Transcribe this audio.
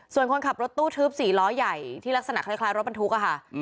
ส่วนคนขับรถตู้ทึบ๔ล้อใหญ่ที่ลักษณะคล้ายรถบรรทุกอะค่ะ